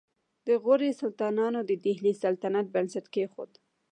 د غوري سلطانانو د دهلي سلطنت بنسټ کېښود